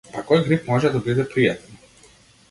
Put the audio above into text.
Па кој грип може да биде пријатен?